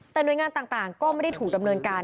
แต่หน่วยงานต่างก็ไม่ได้ถูกดำเนินการ